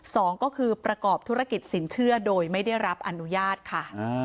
สองก็คือประกอบธุรกิจสินเชื่อโดยไม่ได้รับอนุญาตค่ะ